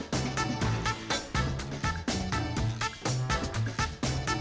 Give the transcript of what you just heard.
memang cocok dari awal apa yang aku lakuin andre tidak bisa